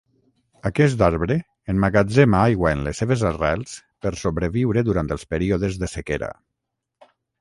Aquest arbre emmagatzema aigua en les seves arrels per sobreviure durant els períodes de sequera.